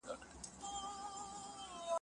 ټوله شپه په لار روان وو